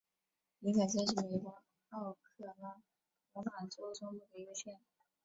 林肯县是美国奥克拉荷马州中部的一个县。